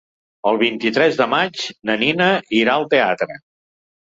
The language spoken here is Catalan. El vint-i-tres de maig na Nina irà al teatre.